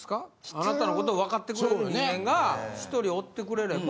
あなたのことをわかってくれる人間が１人おってくれれば。